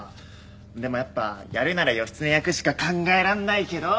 でもやっぱやるなら義経役しか考えられないけど！